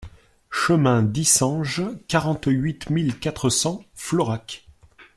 Chemin d'Yssenges, quarante-huit mille quatre cents Florac